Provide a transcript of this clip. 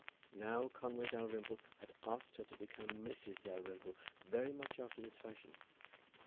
Now Conway Dalrymple had asked her to become Mrs. Dalrymple very much after this fashion.